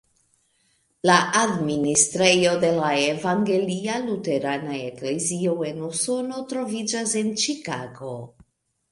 La administrejo de la Evangelia Luterana Eklezio en Usono troviĝas en Ĉikago.